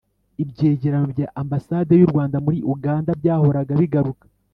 ibyegeranyo bya ambasade y'u rwanda muri uganda byahoraga bigaruka